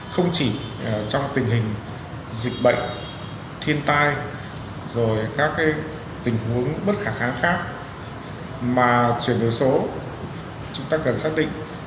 không chỉ trong tình hình dịch bệnh thiên tai rồi các tình huống bất khả kháng khác mà chuyển đổi số chúng ta cần xác định